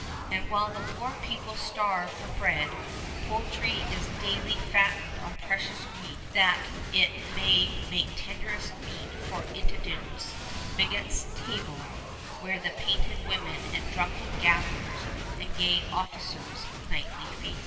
And while the poor people starve for bread, poultry is daily fattened on precious wheat that it may make tenderest meat for Intendant Bigot's table, where the painted women and drunken gamblers and gay officers nightly feast!